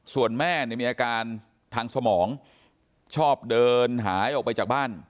ส่วนแม่เนี่ยมีอาการทางสมองชอบเดินหายออกไปจากบ้าน